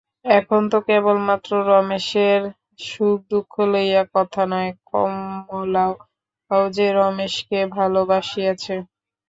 এখন তো কেবলমাত্র রমেশের সুখদুঃখ লইয়া কথা নয়, কমলাও যে রমেশকে ভালোবাসিয়াছে।